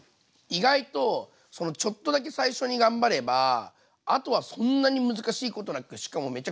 意外とちょっとだけ最初に頑張ればあとはそんなに難しいことなくしかもめちゃくちゃおいしくできるんで。